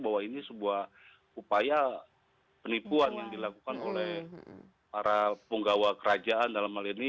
bahwa ini sebuah upaya penipuan yang dilakukan oleh para penggawa kerajaan dalam hal ini